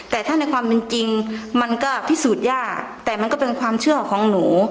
แต่ถ้าในความเป็นจริงมันก็พิสูจน์ยากแต่มันก็เป็นความเชื่อของหนู